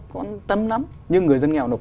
có tâm lắm nhưng người dân nghèo nộp